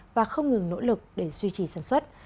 và không ngừng nỗ lực để duy trì sản xuất